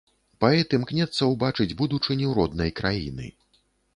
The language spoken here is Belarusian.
Паэт імкнецца ўбачыць будучыню роднай краіны.